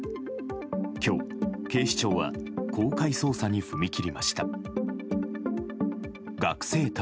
今日、警視庁は公開捜査に踏み切りました。